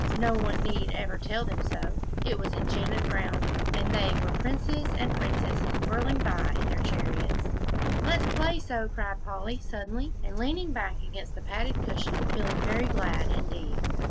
no one need ever tell them so; it was enchanted ground, and they were princes and princesses whirling by in their chariots. "Let's play so," cried Polly, suddenly, and leaning back against the padded cushion, feeling very glad indeed.